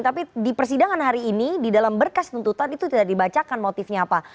tapi di persidangan hari ini di dalam berkas tuntutan itu tidak dibacakan motifnya apa